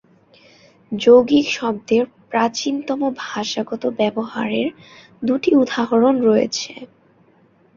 যৌগিক শব্দের প্রাচীনতম ভাষাগত ব্যবহারের দুটি উদাহরণ রয়েছে।